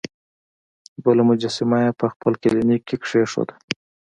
بله مجسمه یې په خپل کلینیک کې کیښوده.